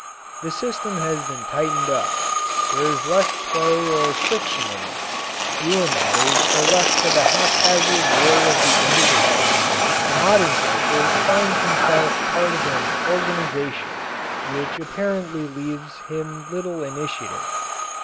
The system has been tightened up; there is less play or friction in it; fewer matters are left to the haphazard will of the individual; the modern worker finds himself part of an organization which apparently leaves him little initiative.